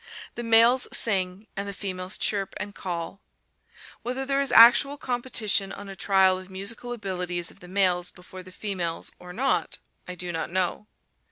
The males sing, and the females chirp and call. Whether there is actual competition on a trial of musical abilities of the males before the females or not, I do not know.